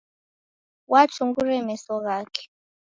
Watungura meso ghake.